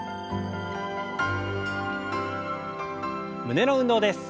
胸の運動です。